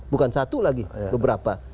bukan satu lagi beberapa